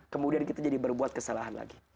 kemudian kita jadi berbuat kesalahan lagi